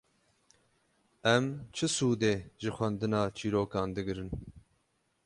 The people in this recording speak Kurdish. Em çi sûdê ji xwendina çîrokan digrin?